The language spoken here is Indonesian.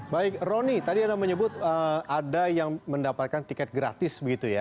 baik roni tadi anda menyebut ada yang mendapatkan tiket gratis begitu ya